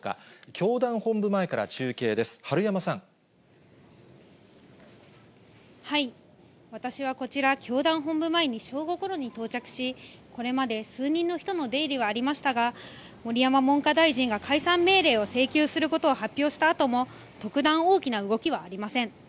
教団本部前から中継です、私はこちら、教団本部前に正午ごろに到着し、これまで数人の人の出入りはありましたが、盛山文科大臣が解散命令を請求することを発表したあとも、特段大きな動きはありません。